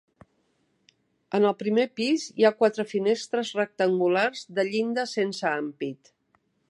En el primer pis hi ha quatre finestres rectangulars de llinda sense ampit.